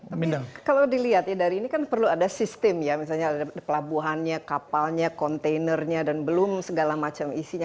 tapi kalau dilihat ya dari ini kan perlu ada sistem ya misalnya ada pelabuhannya kapalnya kontainernya dan belum segala macam isinya